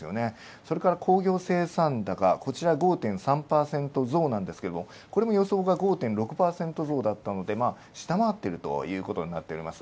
それから工業生産高５．３％増なんですけどこれも予想が５．６％増だったので下回っているということになっています。